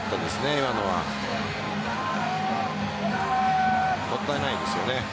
今のは。もったいないですよね。